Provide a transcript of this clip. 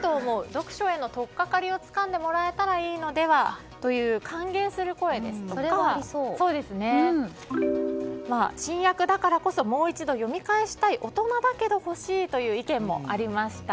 読書への取っ掛かりをつかんでもらえればいいのではという歓迎する声ですとか新訳だからこそもう一度読み返したい大人だけど欲しいという意見もありました。